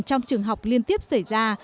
trong trường học liên tiếp xảy ra